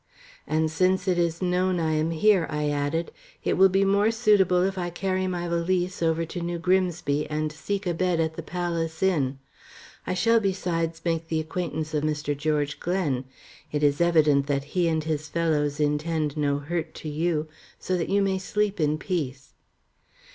"And since it is known I am here," I added, "it will be more suitable if I carry my valise over to New Grimsby and seek a bed at the 'Palace' Inn. I shall besides make the acquaintance of Mr. George Glen. It is evident that he and his fellows intend no hurt to you, so that you may sleep in peace."